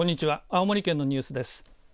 青森県のニュースです。